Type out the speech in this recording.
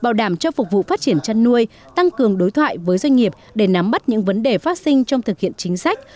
đảm cho phục vụ phát triển chăn nuôi tăng cường đối thoại với doanh nghiệp để nắm bắt những vấn đề phát sinh trong thực hiện chính sách